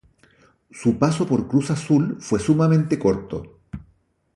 Su paso por Cruz Azul fue sumamente corto.